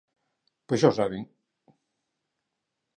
Pos xa o saben.